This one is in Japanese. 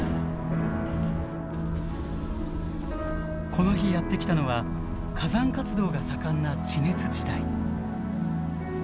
この日やって来たのは火山活動が盛んな地熱地帯。